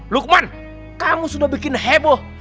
lukman kamu sudah bikin heboh